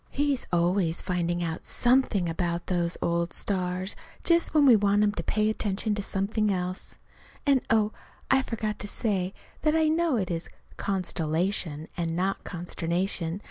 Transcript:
He's always finding out something about those old stars just when we want him to pay attention to something else. And, oh, I forgot to say that I know it is "constellation," and not "consternation."